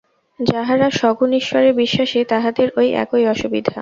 যাঁহারা সগুণ ঈশ্বরে বিশ্বাসী, তাঁহাদের ঐ একই অসুবিধা।